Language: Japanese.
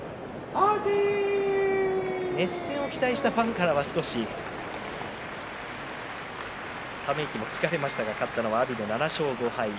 熱戦を期待したファンからは少しため息も聞かれましたが勝ったのは阿炎。